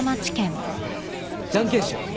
じゃんけんしよう！